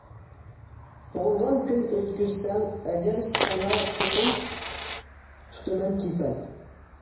تۇغۇلغان كۈن ئۆتكۈزسەڭ ئەگەر، ساڭا چوقۇم تۇتىمەن كېپەن.